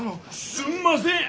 ・すんません。